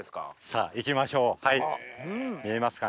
さぁ行きましょう見えますかね？